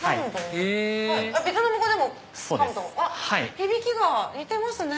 響きが似てますね。